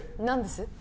何です？